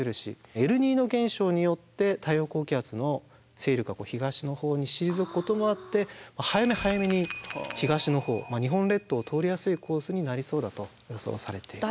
エルニーニョ現象によって太平洋高気圧の勢力が東のほうに退くこともあって早め早めに東のほう日本列島を通りやすいコースになりそうだと予想されています。